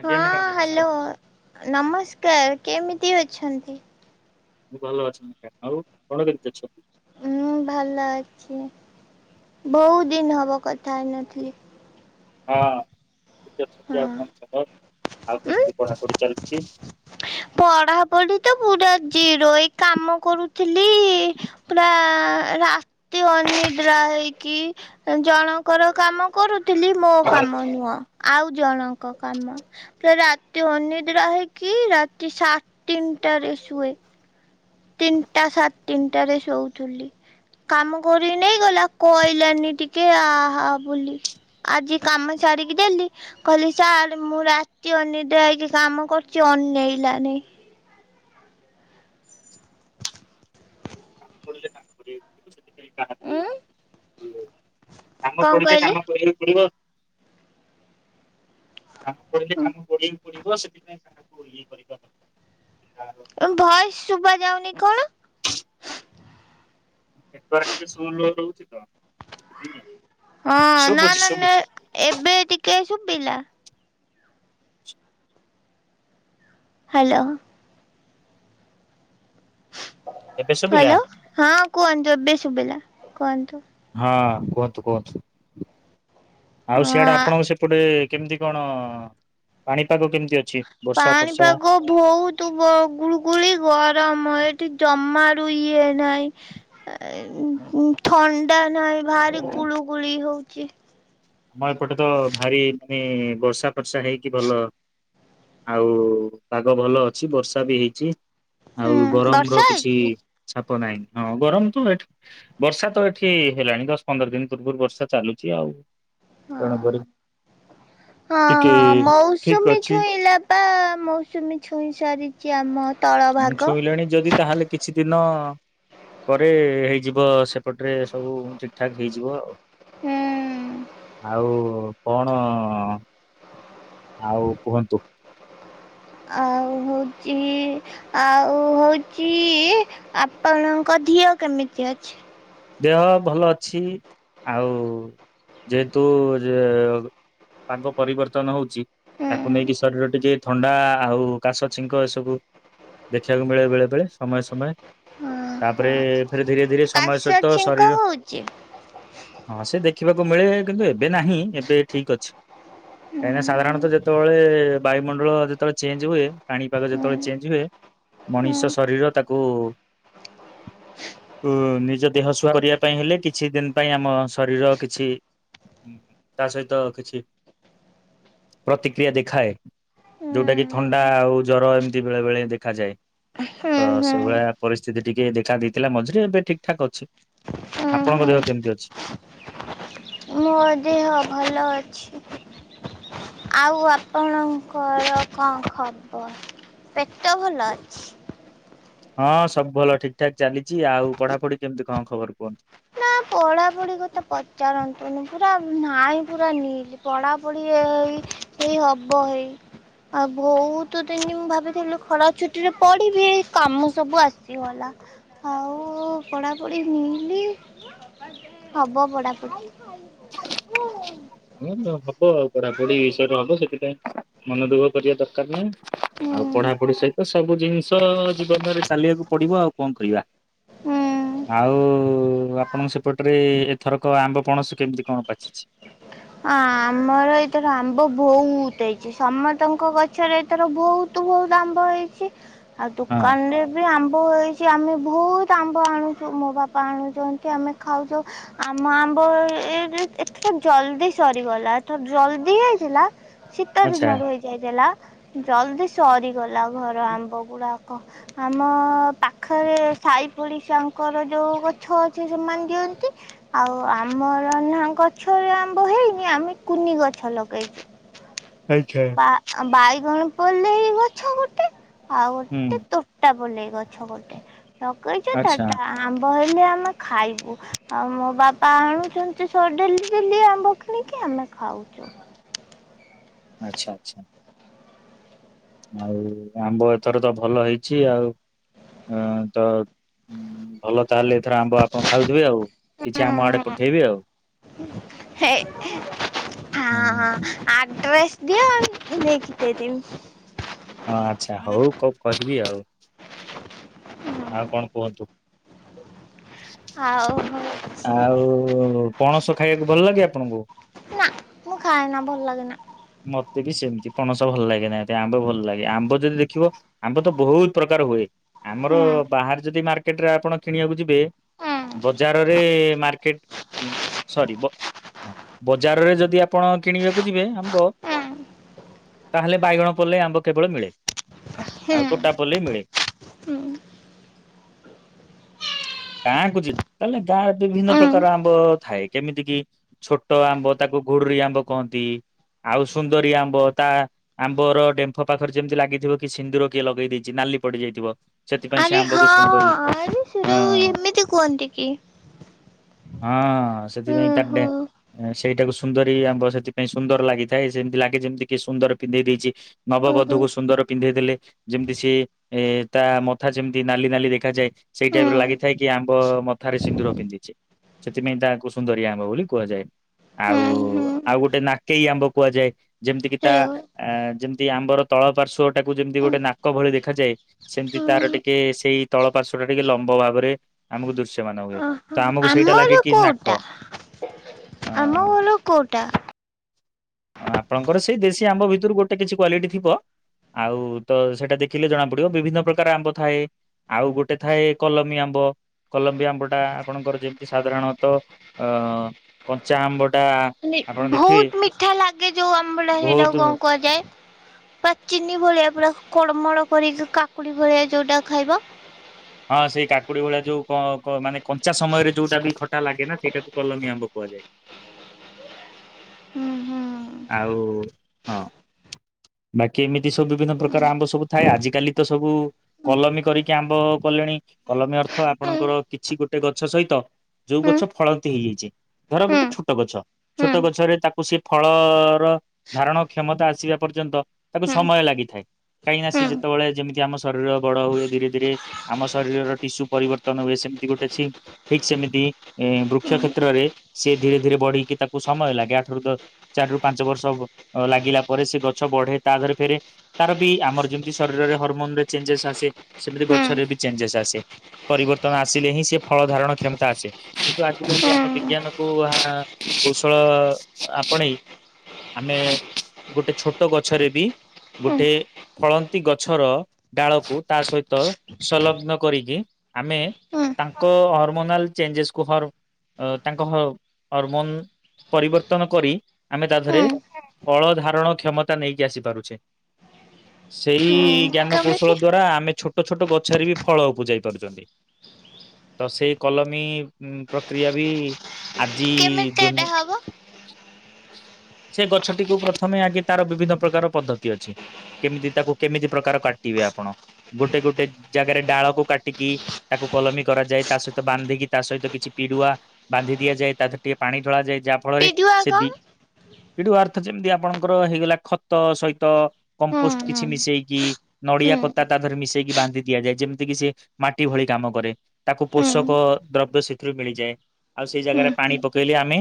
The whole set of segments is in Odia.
ଆଜ୍ଞା ମ୍ୟାଡ଼ାମ ହଁ ନମସ୍କାର ହାଲୋ ନମସ୍କ ସ୍କାର କେମିତି ଅଛନ୍ତି? ମୁଁ ଭଲ ଅଛି ଆଉ ଆପଣ କେମିତି ଅଛନ୍ତି? ହୁଁ ଭଲ ଅଛି ବହୁତ ଦିନ ହବ କଥା ହେଇ ନଥିଲି। ହଁ। [unintelligible] ହଁ କଣ ଖବର ଆଉ ଉଁ କେମିତି ପଢାପଢି ଚାଲ ଚି ପଢାପଢି ତ ପୁରା ଜିରୋ ଏ କାମ କରୁଥିଲି ପୁରା ରାତି ଅନିଦ୍ରା ହେଇକି ଜଣଙ୍କର କାମ କରୁ ଥିଲି ମୋ କାମ ନୁହଁ। ଆଉ ଜଣଙ୍କ କାମ ପୂରା ରାତି ଅନିଦ୍ରା ହେଇକି ରା ସାଢେ଼ ତିନଟାରେ ସୁଏ। ତିନିଟା ସାଢେ ତିନିଟରେ ଶୋଉଥିଲି କାମ କରି ନେଇଗଲା କହିଲାନି ଟିକେ ଆହା ବୋଲି ଆଜି କାମ ସାରିକି ଦେଲି କହିଲି ସାର୍ ମୁଁ ରାତି ଅନିଦ୍ରା ହେଇକି କାମ କରୁଛି ଅନେଇଲାନି। ସେଥିପାଇଁ କାହାକୁ ଉଁ [unintelligible] କାମ କଣ କରୁଚେ କହିଲେ? କାମ କରିବାକୁ ପଡିବ। କାମ ପଡିଲେ କାମ କରିବାକୁ [unintelligible] ଯିବ ସେଥିପାଇଁ କାହାକୁ ଇଏ କରିବା ଦରକାର। [unintelligible] ଭେଏ ସୁଭା ଯାଉନି କଣ? ଏ ଟିକେ [unintelligible] ରହୁଛି ତ ହଁ ନା ଶୁଭୁଛି ନେ ଶୁଭୁଛି ଏବେ ଟିକେ ପିଲା। ହ୍ୟାଲୋ। ଏବେ ଶୁଭିଲା? ହ୍ୟାଲୋ ହଁ କୁହନ୍ତୁ ଏବେ ଶୁଭିଲା କୁହନ୍ତୁ। ହଁ କୁହନ୍ତୁ କୁହନ୍ତୁ। ଆଉ ସିଆଡେ ହଁ ଆପଣଙ୍କ ସେପଟେ କେମିତି କଣ ପାଣିପାଗ କେମିତି ଅଛି? ବର୍ଷା ଫର୍ଷା? ପାଣିପାଗ ବହୁତୁ ଗୁଳୁକୁଳି ଗର ଆମର ଏଠି ଜମାରୁୁ ଇଏ ନାହିଁ ଥ ଥଣ୍ଡା ନାହିଁ ଭାରି ଗୁଳୁ କୁଳି ହଉ କି। ଆମ ଏପଟେ ତ ଭାରି ମାନେ ବର୍ଷା ଫର୍ଷା ହେଇକି ଭଲ ଆଉ ପାଗ ଭଲ ଅଛି ବର୍ଷା ବି ହେଇଛି। ହୁଁ ଆଉ ଗରମ ର ବର୍ଷା କିଛି ହେଇଛି [unintelligible] ନାଇଁ ହଁ ଗରମ ତ ଏଠି ବର୍ଷା ତ ଏଠି ହେଲାଣି ଦଶ ପନ୍ଦର ଦିନ ପୂର୍ବରୁ ବର୍ଷା ଚାଲୁଛି ଆଉ। ହଁ ତେଣୁକରି ହଁ ଟିକେ ହଁ ଠିକ ମୌସୁମୀ ଅଛି ଛୁଇଁଲା ବା ମୌସୁମୀ ଛୁଇଁ ସାରି [unintelligible] ଛୁଇଁଲେଣି ଯଦି ତାହେଲେ କିଛି ଦିନ ଦିନ ପରେ ହେଇଯିବ ସେପଟରେ ସବୁ ଠିକ ଠାକ ହେଇଯିବ ଆଉ। ହୁଁ ଆଉ କଣ ଆଉ କୁହନ୍ତୁ। ଆଉ ହଉଛି ଆଉ ହଉଛି ଆପଣଙ୍କ ଧୀଆକେମିତି ଅଛି? ଦେହ ଭଲ ଅଛି ଆଉ ଯେହେତୁ ପାଗ ପରିବର୍ତ୍ତନ ହଉଛି। ହୁଁ ତାକୁ ନେଇକି ଶରୀର ଟିକେ ଥଣ୍ଡା ଆଉ କାଶ ଛିଙ୍କ ଏସବୁ ଦେଖିବାକୁ ମିଳେ ବେଳେ ବେଳେ ସମୟ ସମୟ। ହଁ ହଁ ତାପରେ ଫେରେ ଧୀରେ ଧୀରେ ସମୟ କାଶ ସ ଛିଙ୍କ ହଉଛି? ହଁ ସେ ଦେଖିବାକୁ ମିଳେ କିନ୍ତୁ ଏବେ ନାହିଁ ଏବେ ଠିକ ଅଛି। ମୋ କାହିଁକିନା ସାଧାରଣତଃ ଯେତେବେଳେ ବାୟୁମଣ୍ଡଳ ଯେତେବେଳେ ଚେଞ୍ଜ ହୁଏ ପାଣିପାଗ ଯେତେବେଳେ ଚେଞ୍ଜ ହୁଏ। ମଣିଷ ଶରୀର ତାକୁ ଉ ନିଜ ଦେହ ଶୁଆ କରିବା ପାଇଁ ହେଲେ କିଛି ଦିନ ପାଇଁ ଆମ ଶରୀର କିଛି ତା ସହିତ କିଛି ପ୍ରତିକ୍ରିୟା ଦେଖାଏ ଯୋଉଟା କିି ଥଣ୍ଡା ଆଉ ଜର ଏମିତି ବେଳେ ବେଳେ ଦେଖାଯାଏ ତ ସେଇଭଳିଆ ପରିସ୍ଥିତି ଟିକେ ଦେଖା ଦେଇଥିଲା ମଝିରେ ଏବେ ଠିକ ଠାକ୍ ଅଛି। ଆପଣଙ୍କ ଦେହ କେମିତି ଅଛି? ମୋ ଦେହ ଭଲ ଅଛି ଆଉ ଆପଣଙ୍କର କଣ ଖବର ପେଟ ଭଲ ଅଛି? ହଁ ସବୁ ଭଲ ଠିକ୍ ଠାକ୍ ଚାଲିଛି ଆଉ ପଢାପଢି କେମିତି କଣ ଖବର କୁହନ୍ତୁ? ନା ପଢାପଢି କଥା ପଚାରନ୍ତୁନି ପୁରା ନାହିଁ ପୁରା ନିଲ୍ ପଢାପଢି ଏଇ ଏଇ ହବ ହେଇ ଆଉ ବହୁତ ଦିନ ମୁଁ ଭାବିଥିଲି ଖରା ଛୁଟିରେ ପଢିବି ଏଇ କାମ ସବୁ ଆସିଗଲା ଆଉ ପଢାପଢି ନିଲ୍ ହବ ପଢ଼ାପଢ଼ି। ହୁଁ ହବ ଆଉ। ପଢାପଢି ବିଷୟରେ ହବ ସେଥିପାଇଁ ମନ ଦୁଃଖ କରିବା ଦରକାର ନାହିଁ। ଆଉ ଆ ପଢାପଢି ସହିତ ସବୁ ଜିନିଷ ଯିବ ଅଯଥାରେ ଚାଲିବାକୁ ପଡିବ ଆଉ କଣ କରିବା ଆଉ ଆପଣଙ୍କ ସେପଟରେ ଏ ଥରକ ଆମ୍ବ ପଣସ କେମିତି କଣ ପାଚିଛି? ଆମର ଏଥର ଆମ୍ବ ବହୁତ ହେଇଛି ସମସ୍ତଙ୍କ ଗଛରେ ଏଥର ବହୁତ ବହୁତ ଆମ୍ବ ହେଇଛି। ଆଉ ହଁ ଦୋକାନରେ ବି ଆମ୍ ଆମ୍ବ ହେଇଛି ଆମେ ବହୁତ ଆମ୍ବ ଆଣୁଛୁ ମୋ ବାପା ଆଣୁଛନ୍ତି ଆମେ ଖାଉଛ ଆମ ଆମ୍ବ ଏଥର ଜଲ୍ଦି ସରିଗଲା ଏଥର ଜଲଦି ହେଇଥିଲା ଶୀତ ଆଚ୍ଛା। ଦିନରୁ ହେଇଯାଇଥେଲା। ଜଲ୍ଦି ସରିଗଲା ଘର ଆମ୍ବ ଗୁଡାକ ଆମ ପାଖରେ ସାଇ ପଡି ଶାଙ୍କର ଯୋଉ ଗଛ ଅଛି ସେମାନେ ଦିଅନ୍ତି ଆଉ ଆମର ନା ଗଛରେ ଆ ଆମ୍ଭ ହେଇନି ଆମେ କୁନି ଗଛ ଲଗେଇଛୁ। ଆଚ୍ଛା ବା ବାଇ କଣ ପୋଲେଇ ଗଛ ଗୋଟେ ଆଉ ହୁଁ ଗୋଟେ ତୋଟା ପଲେଇ ଗଛ ଗୋଟେ ଲଗାଇଛ ତ ଆଚ୍ଛା ଆମ୍ ବଢିଲେ ଆମେ ଖାଇବୁ ଆଉ ମୋ ବାପା ଆଣୁଛନ୍ତି ଡେଲି ଡେଲି ଆମ୍ବ କିଣିକି ଆମେ ଖାଉଛୁ। ଆଚ୍ଛା ଆଚ୍ଛା। ଆଉ ଆମ୍ବ ଏଥର ତ ଭଲ ହେଇଛି ଆଉ ତ ଭଲ ତାହେଲେ ଏଥର ଆମ୍ବ ଆପଣ ଖାଉଥିବେ ଆଉ ହେ ହ ହୁଁ ଆ ଡ୍ରେସ୍ ଦିଅ ନେଇକି ଦେଇ ଦେବି ହଁ ଆଚ୍ଛା ହଉ କ କହିବି ଆଉ। ଆଉ କଣ କୁହନ୍ତୁ। ଆଉ ହଉଛି ଆଉ ପଣସ ଖାଇଆକୁ ଭଲ ଲାଗେ ଆପଣଙ୍କୁ। ନା ମୁଁ ଖାଏନା ଭଲ ଲାଗେନା। ମ ଆମର ହୁଁ ବାହାରେ ଯଦି ମାର୍କ କେଟରେ ଆପଣ କିଣିବାକୁ ଯି ବେ ହୁଁ ବଜାରରେ ମାର୍କେଟ ସରି ବଜାରରେ ଯଦି ଆପଣ କିଣିବାକୁ ଯିବେ ଆମ୍ବ ତାହେଲେ ବାଇଗଣ ପଲେଇ ଆମ୍ବ କେବଳ ମିଳେ। ଆଉ ହୁଁ ତୋଟା ପଲଲ ମିଳେ। ହୁଁ ଗାଁ କ ଯ ତାଲେ ଗାଁରେ ବିଭିନ୍ନ ପ୍ରକାର ହୁଁ ଆମ୍ବ ଥାଏ କେମିତି କି ଛୋଟ ଆମ୍ବ ତାକୁ ଘୋଡୁରୀ ଆମ୍ବ କହନ୍ତି ଆଉ ସୁନ୍ଦରୀ ଆମ୍ବ ତା ଆମ୍ବର ଡେମ୍ଫ ପାଖରେ ଯେମିତି ଲାଗିଥିବ କି ସିନ୍ଦୁର କିଏ ଲଗେଇ ଦେଇେଇଛି ନାଲି ପଡିଯାଇଥିବ। ଆରେ ହଁ ଆରେ ସେଉ ହଁ। ଏମିତି କୁହନ୍ତି କି? ହଁ। ହଁ ହୁଁ ସେଥିପାଇଁ ତ ହୁଁ ସେଇଟାକୁ ସୁନ୍ଦରୀ ଆମ ସେଥିାଇଁ ସୁନ୍ଦର ଲାଗିଥାଏ ସେମତି ଲାଗେ ଯେମିତି କି ସୁନ୍ଦର ପିନ୍ଧେଇ ଦେଇଛି। ଓହୋ ନବବଧକୁ ସୁନ୍ଦର ପିନ୍ଧେଇଥିଲେ ଯେମିତି ସି ଏ ତା ଥା ଯେମିତି ନାଲି ନାଲି ଦେଖାଯଏ ସେଇ ହୁଁ ଟାଇପ ର ଲାଗି ସେଥିପାଇଁ ତାକୁ ସୁନ୍ଦରି ଆମ୍ବ ବୋଲି କୁହାଯାଏ। ଆଉ ହୁଁ ଆଉ ଗୋଟେ ନାକେଇ ଆମ୍ବ କୁହାଯାଏ। ଯେମିତି କିି ତା ହୁଁ ଆ ଯେମତି ଯଦ ଆମର ତଳ ପାର୍ଶ୍ଵ ତାକୁ ଯେମିତି ଗୋଟେ ନାକ ଭଳି ଦେଖାଯାଏ ସେମିତି ହୁଁ ତାର ଟିକେ ସେଇ ତଳ ପାର୍ଶ୍ୱ ଟିକେ ଲମ୍ବା ଭାବରେ ଆମକୁ ଦୃଶ୍ୟମାନ ହୁଏ ଓହୋ ତ ଆମକୁ ସେଇଟା ଲାଗେ ଆମର କି କୋଉଟା ନାକ। ଆମ ଘର କୋଉଟା ଆପଣଙ୍କର ସେଇ ଦେଶୀ ଆମ୍ବ ଭିତରୁ ଗୋଟେ କିଛି କ୍ଵାଲିଟି ଥିବ ଆଉ ତ ସେଇଟା ଦେଖିଲେ ଜଣା ପଡିବ ବିଭିନ୍ନ ପ୍ରକାର ଆମ୍ବ ଥାଏ ଆଉ ଗୋଟେ ଥାଏ କଲମ୍ବୀ ଆମ୍ବ କଲମ୍ବି ଆମ୍ବ ଟା ଆପଣଙ୍କର ଯେମିତି ସାଧାରଣତଃ କଞ୍ଚା ଆମ୍ବ। ଟା ମାନେ ଆପଣ ଦେଖିବେ ବହୁତ ମି ଏା ଲାଗେ ଯୋଉ ଆମ୍ବୁ ସେଇଟା ବହୁତ କଣ କୁହାଯାଏ? ବା ଚିନି ଭଳିଆ ପୁରା କଳମଳ କରିକି କାକୁଡି ଭଳିଆ ଯଉଟା ଖାଇବା। ହଁ ସେଇ କାକୁଡି ଭଳିଆ ଯୋଉ ମାନେ କଞ୍ଚା ସମୟରେ ଯୋଉଟା ବି ଖଟା ଲାଗେ ନା ସେଇଟାକୁ କଲମୀ ଆମ୍ବ କୁହାଯାଏ। ହୁଁ ହୁଁ ଆଉ ହଁ ବାକି ଏମିତି ସବୁ ବିଭିନ୍ନ ପ୍ରକାର ଆମ୍ବ ସବୁ ଥାଏ ଆଜିକାଲି ତ ସବୁ କଲମୀ କରିକି ଆମ୍ବ କଲେଣି କଲମୀ ଅର୍ଥ ହୁଁ ଆପଣଙ୍କର କିଛି ଗୋଟେ ଗଛ ସହିତ ଯୋଉ ହୁଁ ଗଛ ଫଳନ୍ତି ହେଇଯାଇଛି ଧର ହୁଁ ଗୋଟେ ଛୋଟ ଗଛ ଛୋଟ ଗଛରେ ତାକୁ ସେ ଫଳର ଧାରଣ କ୍ଷମତା ଆସିବା ପର୍ଯ୍ୟନ୍ତ ତାକୁ ହୁଁ ହୁଁ ସମୟ ଲାଗିଥାଏ କାହିଁକିନା ସେ ହୁଁ ଯେତେବେଳେ ଯେମିତି ଆମ ଶରୀର ବଡ ହୁଏ ଧୀରେ ଧୀରେ ଆମ ଶରୀରର ଟିସ୍ୟୁ ପରିବର୍ତ୍ତନ ହୁଏ ସେମିତି ଗୋଟେ ଠିକ ସେମିତି ବୃକ୍ଷ ହୁଁ କ୍ଷେତ୍ରରେ ସେି ଧୀରେ ଧୀରେ ବଢକି ତାକୁ ସମୟ ଲାଗେ ଆଠ ରରୁ ଦ ଚାରି ରରୁ ପାଞ୍ଚ ବର୍ଷ ଲାଗିଲା ପରେ ସେ ଗ ଗଛ ବଢେ ତା ଦେହରେ ଫେରେ ତାର ବି ଆମର ଯେମିତି ଶରୀରରେ ହରମୋନରେ ଚେଞ୍ଜେସ୍ ଆସେ ସେମିତି ହୁଁ ହୁଁ ଗଛରେ ବି ଚେଞ୍ଜେସ୍ ଆସେ ପରିବର୍ତ୍ତନ ଆସିଲେ ହିଁ ସେ ଫଳ ଧାରଣ କ୍ଷମତା ଆସେ କିନ୍ତୁ ଆଜିିକାଲି ଆମେ ବିଜ୍ଞାନକୁ କୌଶଳ ଆପଣେଇ ଆମେ ଗୋଟେ ଛଟ ଗଛରେ ବି ହୁଁ ଗୋଟେ ଫଳନ୍ତି ଗଛର ଡାଳକୁ ତା ସହିତ ସଂଲଗ୍ନ କରିକି ଆମେ ହୁଁ ତାଙ୍କ ହର୍ମୋନାଲ ଚେଞ୍ଜେସ୍ ତାଙ୍କ ହରମୋନ ପରିବର୍ତ୍ତନ କରି ଆମେ ତା ଦେହରେ ହୁଁ ଫଳ ଧାରଣ କ୍ଷମ ନେଇକି ଆସି ପାରୁଛେ। ହୁଁ ସେଇ ଜ୍ଞାନ କୌଶଳ କେମିତି ଦ୍ଵାରା ଆମେ ଛୋଟ ଛୋଟ ଛୋଟ ଗଛରେ ବି ଫଳ ଉପୁଜାଇ ପାରୁଛନ୍ତି ତ ସେଇ କଲମୀ ପ୍ରକ୍ରିୟା ବି ଆଜି କେମିତି ଏଟା ଦନି ହବ [unintelligible] ସେ ଗଛଟିକୁ ପ୍ରଥମେ ଆଗେ ତାର ବିଭିନ୍ନ ପ୍ରକାର ପଦ୍ଧତି ଅଛି କେମିତି ତାକୁ କେମିତି ପ୍ରକାର କାଟିବେ ଆପଣ ଗୋଟେ ଗୋଟେ ଜାଗାରେ ଡାଳକୁ କାଟିକି ତାକୁ କଲମି କରାଯାଏ ତା ସହିତ ବାନ୍ଧିକି ତା ସହିତ କିଛି ପିଡୁଆ ବାନ୍ଧି ଦିଆଯାଏ ତାରେ ଟିକେ ପାଣି ଢଳାଯାଏ ଯାହା ଫଳରେ ପିଜୁଆ ସେି କଣ? ପିଡୁଆ ଅର୍ଥ ଯେମିତି ଆପଣଙ୍କ ତାଙ୍କର ହେଇଗଲା ଖତ ସହିତ ହୁଁ କମ୍ପୋଷ୍ଟ କିଛି ମିଶେଇକି ନଡିଆ ହୁଁ କତା ତା ଧରେ ମିଶେଇକି ବାନ୍ଧି ଦିଆଯାଏ ଯେମିତି କିି ସେ ମାଟି ଭଳି କାମ କରେ ତାକୁ ହୁଁ ପୋଷକ ଦ୍ରବ୍ୟ ସେଥିରୁ ମିଳିଯାଏ ଆଉ ସେଇ ହୁଁ ଜାଗାରେ ପାଣି ପକେଇଲେ ଆମେ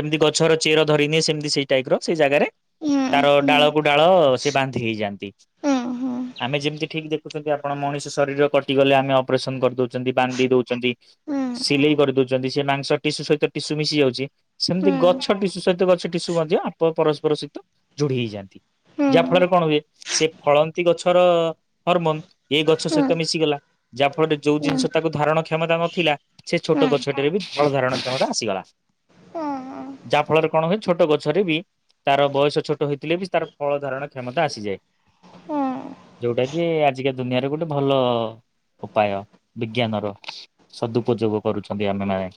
ଯେମିତି ଗଛର ଚେର ଧରିନିଏ ସେମିତି ସେଇ ଟାଇପ ର ସେଇ ଜାଗାରେ ହୁଁ ତାର ଡାଳକୁ ହୁଁ ଡାଳ ସେ ବାନ୍ଧି ହେଇଯାଆନ୍ତି ହୁଁ ହୁଁ ହୁଁ ଆମେ ଯେମିତି ଠିକ ଦେଖୁଛନ୍ତି ଆପଣ ମଣିଷ ଶରୀର କଟିଗଲେ ଆମେ ଅପରେସନ କରିଦଉଛନ୍ତି ବାନ୍ଧି ଦଉଛନ୍ତି ସିଲେଇ କରି ଦଉଛନ୍ତି ସେ ମାଂସ ଟିସୁ ସହିତ ଟିସୁ ମିଶି ଯାଉଛି ହୁଁ ହୁଁ ସେମତି ହୁଁ ଗଛ ଟିସୁ ସହିତ ଗଛ ଟିସୁ ମଧ୍ୟ ଆପ ପରସ୍ପର ସହିତ ଯୋଡି ହେଇଯାଆନ୍ତି ହୁଁ ଯାହା ଫଳରେ କଣ ହୁଏ ସେ ଫଳନ୍ତି ଗଛର ହରମୋନ ଏ ଗଛ ହୁଁ ସହିତ ମିଶିଗଲା ଯାହା ଫଳରେ ଯୋଉ ଜିନିଷ ତାକୁ ଧାରଣ କ୍ଷମତା ନଥିଲା ସେ ହୁଁ ହୁଁ ଛୋଟ ହୁଁ ଗଛ ରେ ବି ଭଲ ଧାରଣ କ୍ଷମତା ଆସିଗଲା ଯାହା ଫଳରେ କଣ ହୁଏ ଛୋଟ ଗଛରେ ବି ତାର ବୟସ ଛୋଟ ହେଇଥିଲେ ବି ତାର ଫଳ ଧାରଣ କ୍ଷମତା ଆସିଯାଏ ହୁଁ ଯୋଉଟା କି ଆଜିକା ଦୁନିଆରେ ଗୋଟେ ଭଲ ଉପାୟ ବିଜ୍ଞାନର ସଦୁପଯୋଗ କରୁଛନ୍ତି ଆମେମାନେ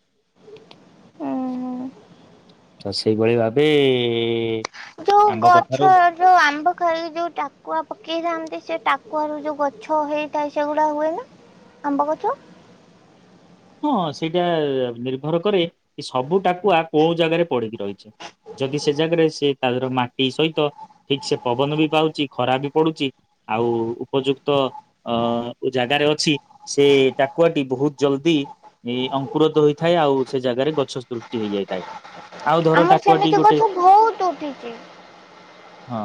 ତ ସେଇଭଳି ଭାବେ। ଯୋଉ ଆମ୍ବ କଥାରୁ ଗଛ ଯୋଉ ଆମ୍ବ ଖାଲି ଯୋଉ ଟାକୁଆ ପକେଇଥାନ୍ତି ସେ ଟା କୁଆର ଯୋଉ ଗଛ ହେଇଥାଏ ସେଗୁଡା ହୁଏ ନା ଆମ୍ବ ଗଛ। ହଁ ସେଇଟା ନିର୍ଭର କରେ କି ସବୁ ଟାକୁଆ କୋଉ ଜାଗାରେ ପଡିକି ରହିଛି ଯଦି ସେ ଜାଗାରେ ସେ ତାର ମାଟି ସହିତ ଠିକ ସେ ପବନ ବି ପାଉଛି ଖରା ବି ପାଉଛି ଆଉ ଉପଯୁକ୍ତ ଅ ଜାଗାରେ ଅଛି ସେ ଟାକୁଆଟି ବହୁତ ଜଲଦି ଏ ଅଙ୍କୁୁରତ ହୋଇଇଥାଏ ଆଉ ସେ ଜାଗାରେ ଗଛ ସୃଷ୍ଟି ହେଇଯାଇଥାଏ ଆଉ ଧର ଟାକୁ [inaudible] ହଁ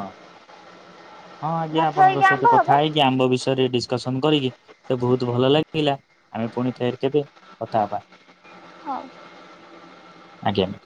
ହଁ ଆଜ୍ଞା ଗଛ ଆପଣଙ୍କ ହେଇକି ସହିତ ଆମ୍ବ କଥା ହବ ହେଇକି ଆମ୍ବ ବିଷୟରେ କସନ୍ କରିକି ସେ ବହୁତ ଭଲ ଲାଗିଲା ଆମେ ପୁଣି ଫେର କେବେ କଥା ହବା ହଉ। ଆଜ୍ଞା,